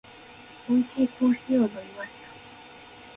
美味しいコーヒーを飲みました。